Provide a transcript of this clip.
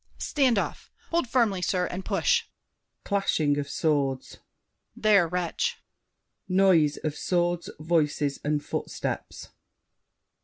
Stand off! Hold firmly, sir, and push! [Clashing of swords. There, wretch! [Noise of swords, voices, and footsteps.